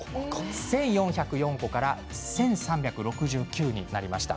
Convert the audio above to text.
１４０４個から１３６９個になりました。